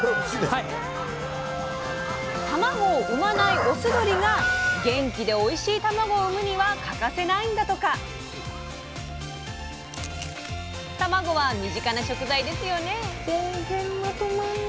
たまごを産まないオス鶏が元気でおいしいたまごを産むには欠かせないんだとか⁉たまごは身近な食材ですよね。